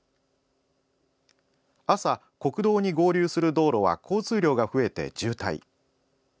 朝、国道に合流する道路は交通量が増えて渋滞。